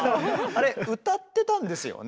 あれ歌ってたんですよね？